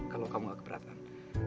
kalau kamu nggak keberatan